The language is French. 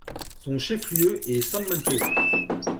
Son chef-lieu est San Mateo.